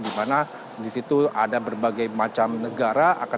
dimana disitu ada berbagai macam negara